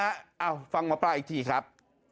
เอ้าฟังหมอปลาอีกทีครับ